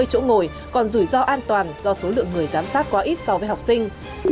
chỗ ngồi còn rủi ro an toàn do số lượng người giám sát quá ít so với học sinh